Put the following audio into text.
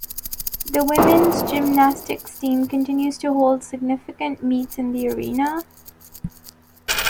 The women's gymnastics team continues to hold significant meets in the arena.